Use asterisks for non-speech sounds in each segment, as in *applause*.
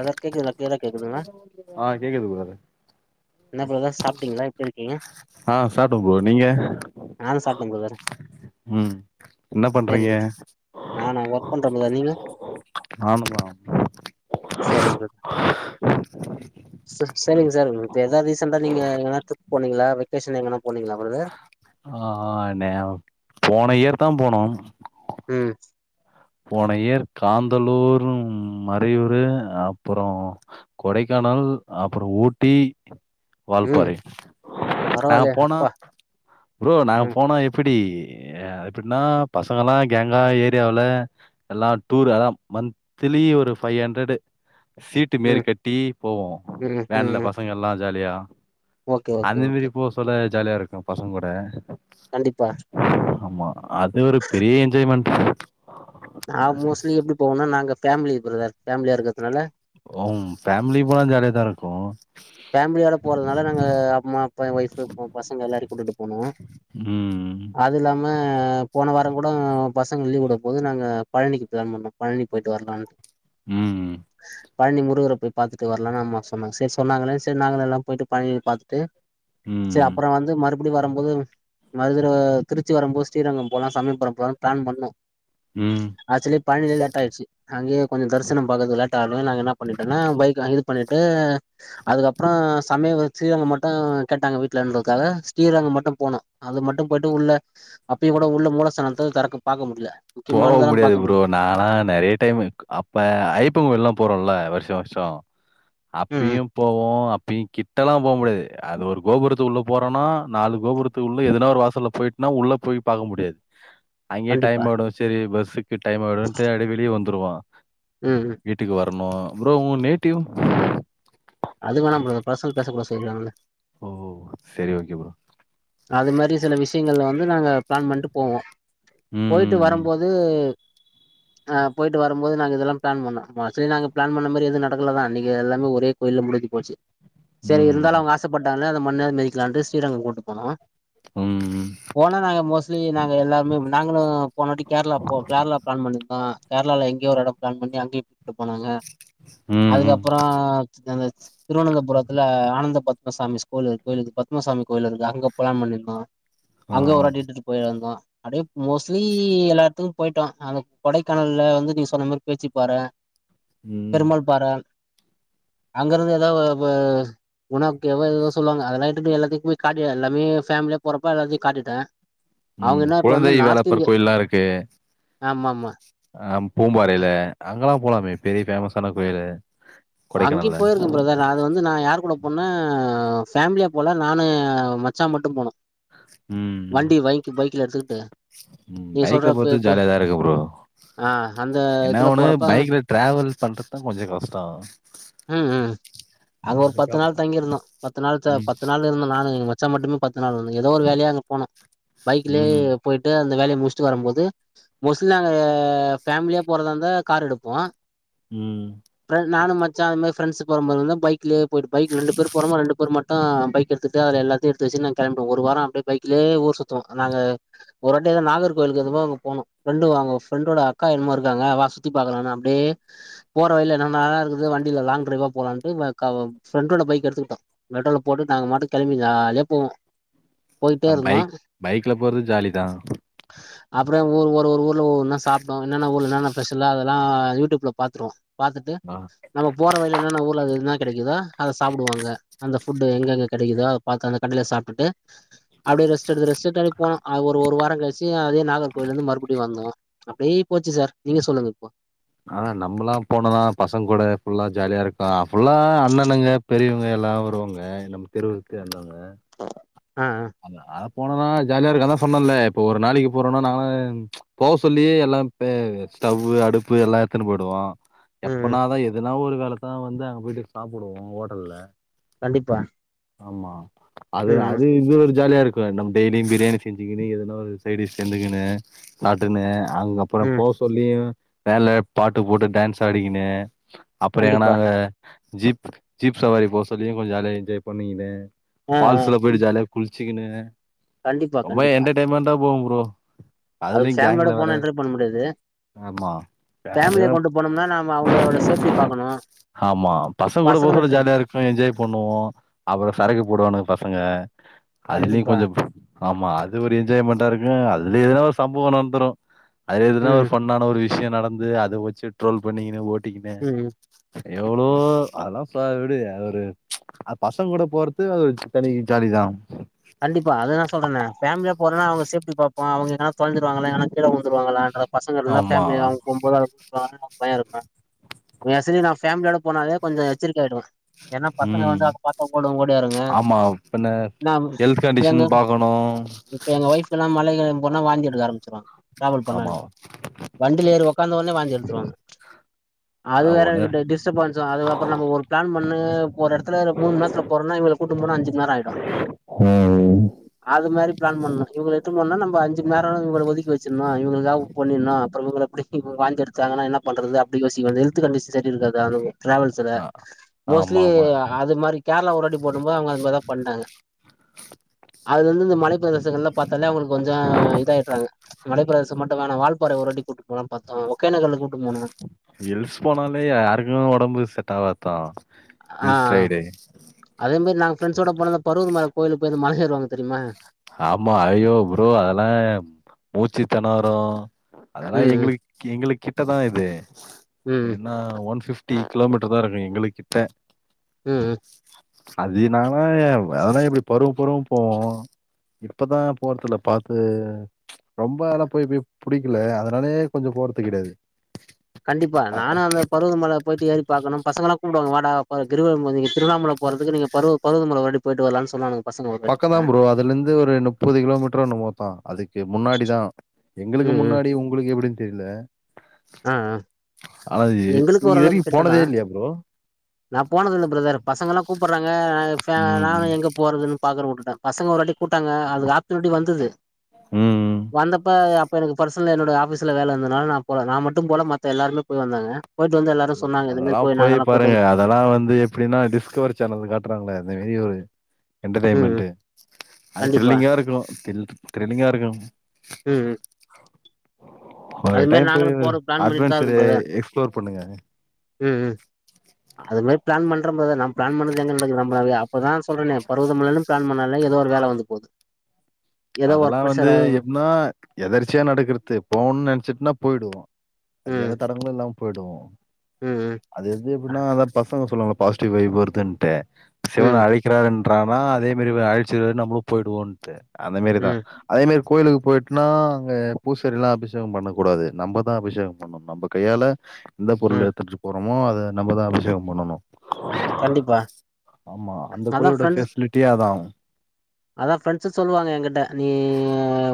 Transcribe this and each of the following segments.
அதா கேக்குது க்ளீரா கேக்குதுங்க ஆ கேக்குது ப்ரோ என்ன இப்பதா சாப்ட்டீங்ளா எப்டி இருக்கீங்க ஆ சாப்ட ப்ரோ நீங்க நானு சாப்ட்டே ம் என்ன பண்றீங்க செரிங்க நானா ஒர்க் பண்ற ப்ரெதர் நீங்க நானுந்தா செரிங் ப்ரெதர் செர் செரிங்க செரி இப்ப எதாவ் ரீசண்டா நீங்க எங்கனா ட்ரிப் போனீங்களா வெக்கேஷன் எங்கனா போனீங்களா ப்ரெதர் ஆ ந போன இயர் தா போனோம் ம் போன யேர் காந்தலூரும் மறையூரு அப்பறோ கொடைக்கானல் அப்பற ஊட்டி ம் வால்பாறை நாங்க பரவாயில்லையே போனோ அப்பா ப்ரோ நாங்க ம் போனா எப்பிடி ஏ அத் எப்பிட்ன்னா பசங்கள்லா கேங்கா ஏரியாவுல எல்லா டூரு அதா மந்திலி ஒரு ஃபை ஹண்ட்ரடு சீட்டு மேரி ம் கட்டி போவோ ம் வேன்ல ம் பசங்க எல்லா ஜாலியா ஓகே ஓகே அந்த ஓகே மேரி போ சொல்ல ஜாலியா இருக்கு பசங்கூட கண்டிப்பா ஆமா அது ஒரு பெரிய என்ஜாய்மெண்ட் நா மோஸ்ட்லி எப்டி போவொன்னா நாங்க ஃபேமிலி ப்ரெதர் ஃபேம்லியா இருக்கற்துனால ம் ஃபேமிலி போனா ஜாலிய தா இருக்கு ஃபேம்லியோட போறதுனால நாங்க அம்மா அப்பா ஏ ஒய்ஃபு ஒ பசங்க எல்லார்யு கூட்டிட்டு போனோ ம் அது இல்லாம போன வாரங் கூடோ பசங்க லீவ் வுடம்போது நாங்க பழனிக்கு ப்ளான் பண்ணோ பழனி போய்ட்டு வரலான் ம் பழனி முருகர போய் பாத்துட்டு வர்லானு அம்மா சொன்னாங்க செரி சொன்னாங்களே செரி நாங்கள எல்லா போய்ட்டு பழனி பாத்துட்டு சே ம் அப்புற வந்து மறு பிடி வரும் போது மதுர திருச்சி வரும்போது ஸ்ரீரங்கம் போலா சமயபுரம் போலா ப்ளான் பண்ணோ ம் ஆக்சலி பழனிலே லேட் ஆய்ட்ச்சு அங்கயே கொஞ்சு தரிசனம் பாக்கற்து லேட் ஆனால நாங்க என்ன பண்ணிட்டேன்னா பைக்கு இது பண்ணிட்டு அதுக்கப்றோ சமயபுர ஸ்ரீரங்கம் மட்டு கேட்டாங்க வீட்லன்ருதுக்காக ஸ்ரீரங்கம் மட்டு போனோ அது மட்டு போய்ட்டு உள்ள அப்பியு கூட உள்ள மூலஸ்தானத்த தெரக்கு பாக்க முடில போகவு முடியாது ப்ரோ நாலா நெறிய டைமு அப்ப ஐப்பங்கோய்லா போறோல்ல வருஷோ வருஷோ ம் அப்பியும் போவோ அப்பி கிட்டல்லா போ முடியாது அது ஒரு கோபுரத்துக்குள்ள போறோனா நாலு கோபுரத் உள்ள எதனா ஒரு வாசல்ல போய்ட்னா உள்ள போய் பாக்க முடியாது அங்யே கண்டிப்பா டைம் ஆய்டும் செரி பஸ்ஸுக் டைம் ஆய்டுண்டே அப்டியே வெளிய வந்துருவோ ம் ம் வீட்டுக்கு வரணு ப்ரோ உங்க நேட்டிவ் அது வேணா ப்ரோ அது பர்சனல் பேச கூடாது சொல்லிருக்காங்கல்ல ஓ செரி ஓகே ப்ரோ அது மாரி சில விஷயங்கல்ல வந்து நாங்க பிளான் பண்ட்டு போவோ ம், போயிட்டு ம், வரம்போது ஆ போயிட்டு வரம்போது நாங்க இதெல்லா பிளான் பண்ணோ கடசீல நாங்க பிளான் பண்ணமாரி எது நடக்கல்லாதா அன்னிக்கு எல்லாமே ஒரே கோயில்ல முடிஞ்சு போச்சு சேரி இருந்தாலு ம், அவங்க ஆசப்பட்டாங்கல்ல அந்த மண்ணாது மெதிக்கலான்டு ஸ்ரீரங்கோ கூட்டு போனோ ம் போனா நாங்க மோஸ்ட்லி நாங்க எல்லாருமே நாங்களு போனவாட்டி கேரளா போ கேரளா பிளான் பண்ணிருந்தோ கேரளால எங்யோ ஒரு எடோ பிளான் பண்ணி அங்யு கூட்டு போனாங்க அதுக்கப் ம். அப்றோ அந்த திருவனந்தபுரத்துல ஆனந்த பத்மசாமி ஸ்கூல் இருக் கோயில் இருக்கு பத்மசாமி கோயில் இருக்கு அங்க ப்ளான் பண்ணிருந்தோ ஆ. அங்க ஒருவாட்டி இட்டுட்டு போயிருந்தோ அப்டியே மோஸ்ட்லி எல்லா எடத்துக்கு போயிட்டோ அங்க கொடைக்கானல்ல வந்து நீங்க சொன்ன மாரி பேச்சிப்பாற ம், பெருமாள் பாற அங்க இருந்து எதோ ஒ குணா கெவோ எதேதோ சொல்வாங்க அதல்ல எதுக்கு எல்லாத்துக்கு காட்டிட்டே எல்லாமே ஃபேம்லியா போறப்ப எல்லாத்தியு காட்டிட்டே ம் குழந்தை வேலப்பர் கோயில்லா இருக்கே ஆமா ஆமா அ பூம்பாறைல அங்கல்லா போலாமே பெரிய ஃபேமஸான கோயிலு அங்யு கொடைக்கானல்ல. போயிருக்கே பிரதர் நா வந்து நா யார் கூட போனனா ஃபேமிலியா போல நானு மச்சா மட்டு போனோ ம் வண்டி வைக்கு பைக்ல எடுத்துக்குட்டு ம் பைக்ல போரதுக் ஜாலியாதா இருக்கு ப்ரோ ஆ அந்த இதுல போறப்ப ட்ராவல் பண்றத்தா கொஞ்சோ கஷ்டோ ம் ம் அங்க ஒரு பத்து நாள் அதுக்கப்புறம் தங்கிருந்தோ பத்து நாள் ம், பத்து நாள் இருந்தோ நானு எங்க மச்சா மட்டுமே பத் அதனால எதோ ஒரு வேலையா அங்க போனோ பைக்லயே ம். போயிட்டு அந்த வேலைய முஷ்ட்டு வரம்போது மோஸ்ட்லி நாங்க ஃபேமிலியா போறதா இருந்தா காரு எடுப்போ ம் அப்றோ நானு மச்சா அந்தமாரி ஃரெண்ஸு போறமாரி இருந்தா பைக்லயே போய்ட்டு பைக்கு ரெண்டு பேரு போறோமா ரெண்டு பேரு மட் அத்தா பைக் எடுத்துட்டு அது எல்லாத்தியு எடுத்து வெச்சுட்டு நாங்க கெளம்பிடுவோ ஒரு வாரோ அப்டியே பைக்லயே ஊர் சுத்துவோ நாங்க ஒரு வாட்டி எதோ நாகர் கோவிலுக்கு எதுவோ அங்க போணோ ஃப்ரெண்டு அங்க ஃப்ரெண்டுடோட அக்கா என்னமோ இருக்காங்க வா சுத்தி பாக்கலானு அப்டியே போற வழில என்னென்ன நல்லா இருக்குது வண்டில லாங் ட்ரைவா போலான்ட்டு ஃபிரெண்டோட பைக்க எடுத்துக்குட்டோ மெட்ரோல போட்டு நாங்க மாட்டுக்கு கிளம்பி ஜாலியா போவோ போயிட்டே இருந்தோ பைக் பைக்ல போறது ஜாலி தா *inaudible* அப்டியே ஒரு ஒரு ஊர்ல ஒ ஒன்னொன்னா சாப்டோ என்னென்ன ஊர்ல என்னென்ன ஸ்பெஷலு அதல்லா யூடூப்ல பாத்துருவோ பாத்துட்டு அ நம்ம போற வழில என்னென்ன ஊர்ல அங்க என்னா கெடைக்குதோ அத சாப்டுவோ அங்க அந்த ஃபுட்டு எங்க எங்க கெடைக்குதோ அத பாத்து அந்த கடைல சாப்டுட்டு அப்டியே ரெஸ்ட் எடுத்து ரெஸ்ட் எடுத்து அப்டி போன அது ஒரு ஒரு வாரங் கழ் ச்சு அதே நாகர்கோவில இருந்து மறுபுடியு வந்தோ அப்டியே போச்சு சார் நீங்க சொல்லுங்க இப்போ ஆனா நம்முலா போன தா பசங்கூட ஃபுல்லா ஜாலியா இருக்லா ஃபுல்லா அண்ணணுங்க பெரியவ்ங்க எல்லா வருவாங்க நம்மு தெருவு சேந்தவங்க ஆ அ ஆமா அதா போனோனா ஜாலியா இருக்க அதா சொன்னல்ல இப்போ ஒரு நாளைக்கு போறோனா நானு போ சொல்லியே எல்லாம் பே ஸ்டவ்வு அடுப்பு எல்லா எட்த்துனு போய்டுவோ ம் ம் எப்பனாதா எதுனா ஒரு காலத்தா வந்து அங்க போய்ட்டு சாப்புடுவோ ஹோட்டல்ல கண்டிப்பா ஆமா ம் அதுதா ம் அது இது ஒரு ஜாலியா இருக்கு நம் டெய்லியு பிரியாணி செஞ்சுகினு எதுனா ஒரு சைடிஷ் சென்னுகினு அதுனு அங்க புறோ ம் போ சொல்லியு வேன்ல பாட்டு போட்டு டான்ஸ் ஆடிகின்னு அப்புடேயே கண்டிப்பா நாங்க ஜீப்புக்கு ஜீப் சவாரி போ சொல்லி கொஞ் ஜாலியா என்ஜாய் பண்ணிகினு ஆ ஆ ஃபால்ஸில போய்ட்டு ஜாலியா குள்ச்சிகினு கண்டிப்பா ரொம்பா கண்டிப்பா என்டர்டெய்ன்மென்ட்டா போகு ப்ரோ அதுல்யு அதுக்கு ஃபேமிலியோட கேங்ல வேற போனா என்ஜாய் பண்ண முடியாது ஆமா ஃபேமிலிய யாரூ கொண்டு போனோம்னா நாம அவங்களோட சேஃப்டி பாக்கணு ஹாமா பசங்கூட போறது பசங்கள ஜாலியா இரு என்ஜாய் பண்ணுவோ அப்றோ சரக்கு போடுவானுக பசங்க அதுல்யு கண்டிப்பா கொஞ்சோ ஆமா அது ஒரு என்ஜாய்மெண்ட்டா இருக்கு அதுல எதுனா ஒரு சம்பவோ நந்துரு அது எதுனா ம் ஒரு ஃபன்னான ஒரு விஷ்யோ நடந்து அத வச்சு ட்ரோல் பண்ணிக்கினு ஓட்டிக்கினு ம் எவுளோ அதுலா ஃப்ரீயா விடு அது ஒரு அ பசங்கூட போறது அது ஒரு தனி ஜாலிதா கண்டிப்பா அத நா சொல்றனே ஃபேம்லியா போறோனா அவுங்க சேஃப்டி பாப்போ அவுங்க எதுனா தொலஞ்சுருவாங்கலா எங்கனா கீழ உழ்ந்துருவாங்கலான்ற பசங்க இருந்தா ஆமா ஃபேமிலினா அவ்ங்கும்போகாதே *unintelligible* பயோ இருக்கு யாசுச்சினா ஃபேமிலியோட போனாலே கொஞ்சோ எச்சரிக்கை ஆய்டுவ ஏனா பசங்க ம் வந்து அத பாத்தா கூட ஓடியாருங்க நம் கண்டிஷின் பாக்கணு இப்ப எங்க ஒய்ஃபுலா மல ஏரு போனா வாந்தி எடுக்க ஆரமிச்சிர்வாங்க டிராவல் ஆமா பண்ணாலே வண்டில ஏறி ஒக்காந்தோனே வாந்தி எடுத்துருவாங்க அது அதா வேற ஒண்ணு கிட்டு டிஸ்டபன்ஸு அதுக்கப்புறு நம்ம ஒரு பிளான் பண்ணு ஒரு எடுத்துல மூண்ம் நேர்த்ல போறனா இவுங்கில கூட்டு போனா அஞ்சும் நேரோ ஆய்டு ம் அது மாரி பிளான் பண்ணு இவுங்கள எட்த்துன் போன்னா நம் அஞ்சும் நேரோனு இவுங்களுக் ஒதுக்கி வச்சுர்னு இவுங்குளுக்காக புக் பண்ணிர்னு அப்புறோ இவுங்கள அப்டி இப்பு வாந்தி எடுத்தாங்கனா என்ன பண்றது அப்டி யோசிக் வேண்டி ஹெல்த் கண்டிஷு சரி இருக்காது அதுவு ட்ராவல்ஸுல ஆ ஆமா மோஸ்ட்லி ஆமா அது மாரி கேர்ளா ஒரு வாட்டி போனும்போ அவுங்க அது மார்தா பண்ட்டாங்க அதுல இருந்து இந்த மலை சில விஷங்கள்லா பாத்தாலே அவுங்களுக்கு கொஞ்சோ இதாயட்றாங்க மலைபிரதேசம் மட்டு வேணா வால்பாற ஒரு வாட்டி கூட்டு போலான் பாத்தோ ஒகேனகலு கூட்டு போனோ ஹில்ஸ் போனாலே யாருக்குமே ஒடம்புகு செட்டாவாத்தா ஆ அதே மாரி நாங்க ஃப்ரெண்ஸோட போனத பருதுமல கோயிலுக் போய் அந்த மல ஏறுவாங்க தெரிமா ஆமா ஐயோ ப்ரோ அதெலா மூச்சு தெணரு ம் அதலா ம் எங்குளு எங்கிளுக் கிட்டதா இது ம் வேணா ஒன் ஃபிப் ட்டி கிலோமீட்ரு தா இருக்கு எங்கிளுக்கிட்ட ம் அதுனாங்க வாதனா எப்டி பருவு பருவு போவோ இப்பதான் போறதுல பாத்து ரொம்பலா போய் போய் புடிக்கல அதுனாலயே கொஞ்சோ போர்து கெடையாது கண்டிப்பா நானு அந்த பருவதமல போயிட்டு ஏறி பாக்கணு பசங்களா கூப்டுவாங்க வாடா போர கிரிவலம் போர்துக்கு திருவண்ணாமல போறதுக்கு நீங்க பருவு பருவதமலக்கு ஒரு வாட்டி போயிட்டு வரலாம்னு சொன்னானுங்க பசங்க ஒரு வாட்டி பக்கம் தா அ ப்ரோ அதுல இருந்து ஒரு முப்பது கிலோமீட்டர் என்னமோ தா அதுக்கு முன்னாடி தா எங்குளுக்கு ம் ம் முன்னாடி உங்குளுக்கு எப்டினு தெரில ஆஹ்ஹ ஆனா இது எங்குளுக்கு நீங்க இது ஓரளவு வரைக்கு கிட்டதா போனதே இல்லையா ப்ரோ நான் போனதில்ல பிரதர் பசங்கல்லா கூப்பிறாங்க ந பே ம் எங்க போறதுன்னு பாக்குற உட்டுட்ட பசங்க ஒரு வாட்டி கூப்டாங்க அதுக்கு ஆப்ஷனுட்டி வந்தது ம் வந்தப்ப அப்ப எனக்கு பர்சனல என்னோட ஆபீஸ்ல வேல இருந்தனால நா போல நா மட்டு போல மத்த எல்லாருமே போய் வந்தாங்க போயிட்டு வந்தெல்லா அதல்லா போயி பாருங்க அதல்லா வந்து எப்டின்னா டிஸ்கவரி சேனல்ல காட்டுறாங்களே அந்த மாரி ஒரு ம் ம் என்டர்டெய்மென்டு அது கண்டிப்பா திரில்லிங்கா இருக்கு திரில் திரில்லிங்கா இருக்கு ம் ம் ஒரு அது மாரி டைம் நாங்களு போயிவந்துரு போற பிளான் பண்ணிட்டுதா அட்வென்சர் இருக்கோ பிரதர் எக்ஸ்ப்ளோர் பண்ணுங்க ம் ம் அந்த மாரி பிளான் பண்றபோது நாம் பிளான் பண்ணறது எங்க நடக்குது நம்பளவே அப்பதா சொல்றநே பருவத மலனு பிளான் பண்ணால ஏதோ ஒரு வேலை வந்து போது ஏதோ அதல்லா ஒர்க் வந்து ப்ரெஷரா எப்னா எதர்ச்சியா நடக்கற்து போணனு நெனைச்சிட்டுனா போயிடுவோ அது ம் எந்த தடங்களு இல்லாம போயிடுவோ ம் ம் அது எது எப்டின்னா அதா பசங்க சொல்லுவாங்கல்ல பாசிட்டிவ் வைஃப் வருதுன்ட்டு சிவன் ம் அழை க்கிறாருன்றனா அதே மாறி அழச்சிருவாரு நம்மளு போயிடுவோன்ட்டு அந்த மாறிதா ம் அதேமாறி கோயிலுக்கு போயிட்டுனா அங்க பூசாரி எல்லா அபிஷேக பண்ணக்கூடாது நம்ம தா அபிஷேகோ பண்ணோ நம்ம கையால எந்த பொருள ம் எடுத்துட்டு போறோமோ அத நம்ம தா அபிஷேக பண்ணணு கண்டிப்பா ஆமா அந்த அதா கோயிலோட ஃப்ரெண்ட்ஸ் பெசிலிட்டியே அதா அதா பிரெண்ட்ஸு சொல்லுவாங்க எங்கிட்ட நீ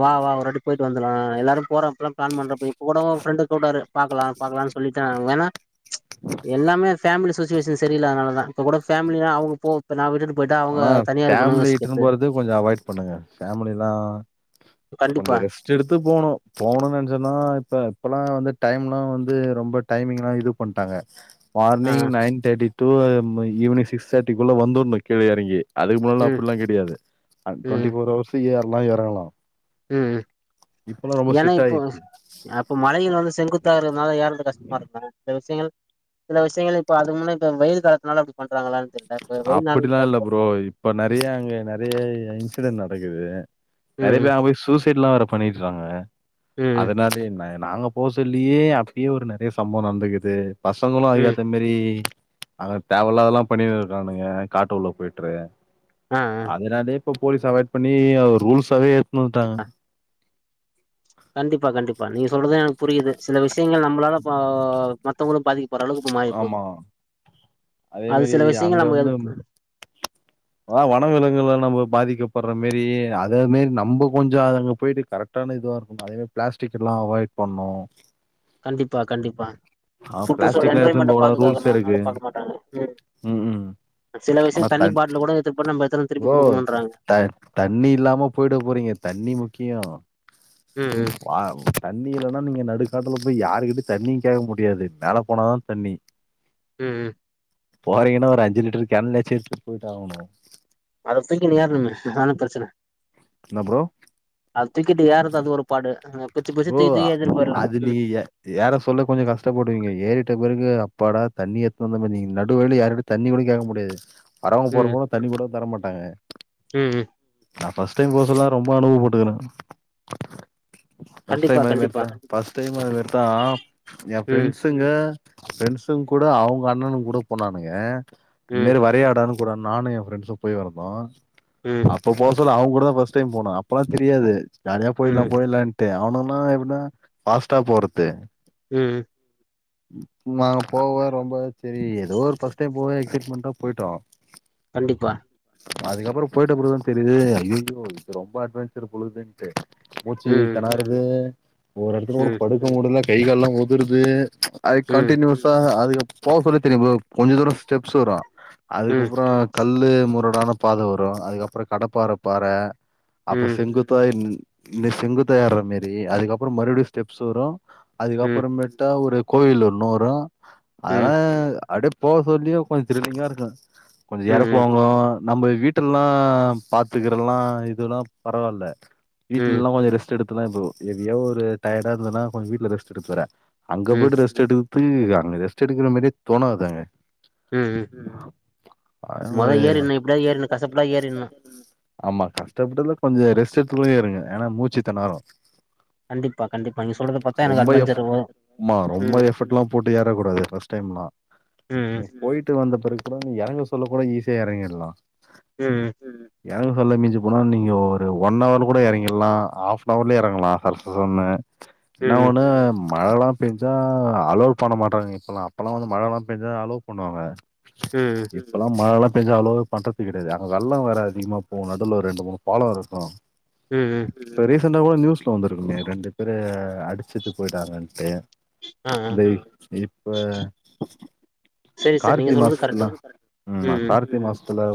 வா வா ஒருவாட்டி போயிட்டு வந்துருலா எல்லாரும் போறப்லா பிளான் பண்றப்ப இப்ப கூட ஒரு பிரெண்டு கூப்டாறு பாக்கலா பாக்கலானு சொல்லிட்ட வேணா எல்லாமே ஃபேமிலி சுச்வேஷன் சரியில்லாதனாலாதா இப்போ கூட ஃபேமலினா அவுங்க போ இப்ப நா விட்டுட்டு போயிட்டா அவங்க தனியா இருக்கணு யோசிக்கிற்து கொஞ்ச அவாய்ட் பண்ணுங்க பேமிலில்லா கொஞ்சோ கண்டிப்பா ரிஸ்க் கெடுத்து போணு போணுனு நெனச்சன்னா இப்ப இப்பல்லா வந்து டைம்லா வந்து ரொம்ப டைமிங்லா இது பண்ட்டாங்க ஆ morning nine thirty to evening six தேர்ட்டிக்குள்ள வந்துருனு கீழ எறங்கி அதுக்கு முன்னல்லா ம் அப்புல்லா கெடையாது டுவெண்ட்டி ஃபோர்ஹவர்ஸ் ஏற்லா எறங்கலா ம் ம் இப்பெல்லா ரொம்ப ஏனா ஸ்ட்ரிக்ட் இப்போ ஆயிடுச்சு அப்ப மலைகில் வந்து செங்குத்தா இருக்றதுனால யேர்ரது கஷ்டமா இருக்கு சில விஷயங்கள் சில விஷயங்கள் இப்ப அது முன்ன இப்ப வெயிலு காலத்துனால அப்டி பண்றாங்களானு தெர்ல இப்ப வெருநாள்ல இப்ப இப்போ இப்ப நெறைய அங்க நெறைய இன்சிடென்ட்ஸ் நடக்குது நெறைய ம் பேர் அங்க போய் சூஸ் சைட்லா வேற பண்ணிறாங்க ம் அதனால என்ன நாங்க போ சொல்லயே அப்பயே ஒரு நெறைய சம்பவம் நடந்துக்கிது பசங்களு ம் அதுக்கேத்த மேரி அங்க தேவல்லாதெல்லா பண்ணிட்டு இருக்கானுக காட்டு குள்ள போயிட்டு ஆ ஆ அதனாலே இப்ப போலீஸ் அவாய்ட் பண்ணி ரூல்ஸாவே எட்துன்ணு வந்துட்டாங்க கண்டிப்பா கண்டிப்பா நீங்க சொல்றது எனக்கு புரியுது சில விஷயங்கள் நம்மளால ம் மத்தவங்களு பாதிக்க ஓரளவுக்கு இப்ப மாறி போது ஆமா அதே அது மாரி சில விஷயங்கள் நம்ம அதுக் வா வன விலங்குகள்லா நம்ம பாதிக்கப்படுற மேரி அதே மேரி நம்ம கொஞ்ச அங்க போயிட்டு கரட் ட்டான இதுவா இருக்கணு அதே மாரி பிளாஸ்டிக்கெல்லா அவாய்ட் பண்ணணு கண்டிப்பா கண்டிப்பா ஃபுட் ரிசல்ட் ஒரு பிளாஸ்டிக்லா எடுத்துன்னு என்ஜாய்மெண்ட போகூடாது ரூல்ஸ் பாதுகாக்கனு அத இருக்கு பாக்க மாட்டாங்க ம் சில விஷயோ ஆனா தண்ணி தண் பாட்ல கூட இது பண்ண நம்ம எத்தன திருப்பி ப்ரோ குடுக்கணுன்றாங்க த தண்ணி இல்லாம போய்ட போறீங்க தண்ணி முக்கியோ ம் ம் பா தண்ணி இல்லன்னா நீங்க நடுக்காட்டுல போய் யாருக்கிட்டையு தண்ணியு கேக்க முடியாது மேலப் போனதா தண்ணி ம் ம் போறீங்கன்னா ஒரு அஞ்சு லிட்டர் கேன்ல சேத்துட்டு போயிட் ஆகணு அத தூங்கினு ஏறணுமே அதுதான ப்ரச்சன என்ன ஃப்ரோ அத தூக்கிட்டு ஏர்றது அது ஒரு பாடு எங்கப் ஃப்ரோ அது அது நீங்க எ ஏற சொல்ல கொஞ்ச கஷ்டப்படுவீங்க ஏறிட்ட பெறகு அப்பாடா தண்ணி எட்த்துன்னு வந்தோ மணி நடுவழில யாரோட தண்ணி கூட கேக்க முடியாது வரவுங்க ம் போறவுங்க தண்ணி கூட தர மாட்டாங்க ம் ம் நா ஃபர்ஸ்ட் டைம் போக சொல்ல ரொம்ப அனுபவோ பட்டுக்குறே ஃபர்ஸ்ட் கண்டிப்பா டைம் அது கண்டிப்பா மாரித்தா ஃபர்ஸ்ட் டைம் அது மாறிதா ஏ ம் ஃப்ரெண்ட்ஸ் ஸ்சுங்க ஃபிரண்ட்ஸ் கூட அவுங்க அண்ணனுங் கூட போணானுங்க ம் இதுமாறி வரியாடா கூட நானு ஏ ஃப்ரெண்ட்ஸு போய் வெர்தோ ம் இப்ப போக சொல்ல அவுங்க கூடதா ஃபர்ஸ் டைம் போனோ அப்பொல்லா தெரியாது ஜாலிய போயிட்லா ம் போயிட்லான்ட்டு அவனுகல்லா எப்டின்னா ஃபாஸ்ட்டா போறது ம் நாங்க போவ ரொம்ப செரி எதோ ஒரு பஃர்ஸ்ட் டைம் போவ எக்ஸைட்மெண்டா பொயிட்டோ கண்டிப்பா அதுக்கப்பறோ போயிட்ட பெறகுதா தெரியுது ஐய்யய்யோ இது ரொம்ப அட்வென்ஞர் போலதுனு மூச்சு ம் தெனருது ஒரு எடத்துல கூட ம் படுக்க டல்ல கை கால்லா ஒதருது அது ம் கண்டியஸ் அதுக்கு போக சொல்லி தெரியு ஃப்ரோ கொஞ்ச தூரோ ஸ்டெப்ஸ் வரு ம் அதுக்கப்பறோ கல்லு முரடான பாத வரு அதுக்கப்பறோ கடப்பாற பாறை அப்பறோ ம் செங்குத் இப்ப இது செங்குத்தா ஏறுற மாரி அதுக்கப்பறோ மறுபடியு ஸ்டெப்ஸ் வரு அதுக்கு ம் அப்பறமேட்டா ஒரு கோவில் ஒன்னு வரும் அதெல்லா ம் அடுத் போக சொல்லியு கொஞ்ச த்ரில்லிங்கா இருக்கு கொஞ்ச ம் ம் எறக்குவாங்க நம்ம வீட்டுலல்லா பாத்துக்கிறெல்லா இதல்லா பரவால்ல ம் வீட்லல்லா கொஞ்ச ரெஸ்ட் டுல்லா எபோ பெரிய ஒரு டயர்டா இருந்துதன்னா கொஞ்ச வீட்ல ரெஸ்ட் எடுக்குறே அங்க ம் போய்ட்டு ரெஸ்ட் ஸ்ட்டு எடுக்குறதுக்கு அங்க ரெஸ்ட் எடுக்குற மாரியே தோணாது அங்க ம் ம் மொத ஏறிர்னு எப்டியாது ஏறிர்னு கஷ்டப்பட்டாது ஏறிட்னு ஆமா கஷ்டப்பட்டடுதுல கொஞ்ச ரெஸ்ட எடுத்து கூட ஏறுங்க ஏன்னா மூச்சு திணறும் கண்டிப்பா கண்டிப்பா நீங்க சொல்றத பாத்தா எனக்கு அட்வென்சர் வரு மா ரொம்ப ம் எஃபர்ட்டெல்லா போட்டு ஏறக்கூடாது ஃபர்ஸ்ட் டைம்லா ம் பொயிட்டு வந்த பெறகு ப்பறோ எறங்க சொல்ல கூட ஈஸியா எறங்கிட்லா ம் ம் எறங்க சொல்ல மிஞ்சிப் போனா நீங்க ஒரு ஒன் அவர் கூட எறங்கிடலா ஆஃப் பவுன்லே எறங்களா அடுத்தது ஒன்னு ம் இன்னு ம் ஒன்னு மழைலா பெஞ்சா அலோ பண்ண மாட்றாங்க இப்பெல்லா அப்பெல்லா வந்து மழைலா பெஞ்சா அலோ பண்ணுவாங்க ம் இப்பெல்லா மழலா பெஞ்சா அலோலா பண்றது கெடையாது அங்க வெள்ளம் வேற அதிகமா போவு நடுல ஒரு ரெண்டு மூணு பாலோ இருக்கு ம் ம் இப்ப ரீசண்ட்டா கூட நியூஸ்ல வந்துருக்குமே ரெண்டு பேரு அடிச்சுட்டு போயிட்டாங்கன்ட்டு ஆ ஆ தேல் இப்ப செரி சார் நீங்க கார்த்திக சொல்றது மாசத்துல கரெக்ட்டு ம் ஆ கார்த்திக மாசத்துல